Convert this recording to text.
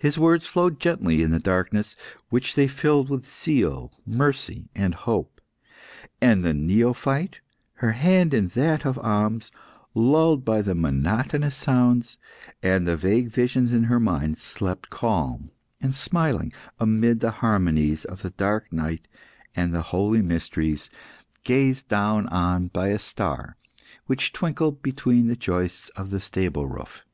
His words flowed gently in the darkness, which they filled with zeal, mercy, and hope; and the neophyte, her hand in that of Ahmes, lulled by the monotonous sounds, and the vague visions in her mind, slept calm and smiling, amid the harmonies of the dark night and the holy mysteries, gazed down on by a star, which twinkled between the joists of the stable roof.